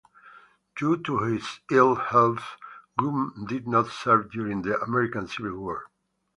Due to his ill health, Groome did not serve during the American Civil War.